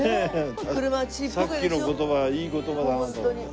さっきの言葉はいい言葉だな。